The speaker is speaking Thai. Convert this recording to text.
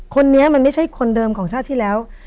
คนนี้มันไม่ใช่คนเดิมของชาติที่แล้ว